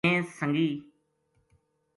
میں سنگی